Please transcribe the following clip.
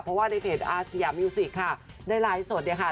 เพราะว่าในเพจอาสยามิวสิกค่ะได้ไลฟ์สดเนี่ยค่ะ